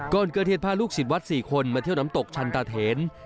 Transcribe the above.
ก่อนเกิดเหตุพาลูกศิษย์วัด๔คนมาเที่ยวน้ำตกชันตาเถน